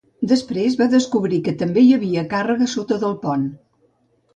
Després va descobrir que també hi havia càrregues sota del pont.